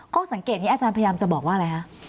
ความสังเกตเพียงพยายามจะบอกว่าอะไรครับ